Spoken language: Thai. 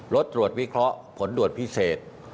รถตรวจวิเคราะห์ผลด่วนพิเศษ